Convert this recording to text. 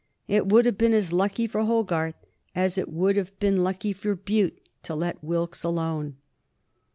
It would have been as lucky for Hogarth as it would have been lucky for Bute to let Wilkes alone.